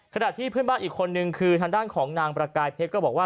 ขณะที่เพื่อนบ้านอีกคนนึงคือทางด้านของนางประกายเพชรก็บอกว่า